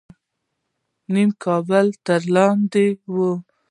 نیم کابل تر لاندې و.